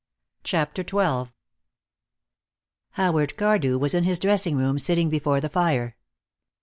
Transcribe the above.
CHAPTER XII Howard Cardew was in his dressing room, sitting before the fire.